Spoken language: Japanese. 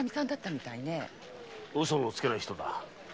嘘のつけない人だ。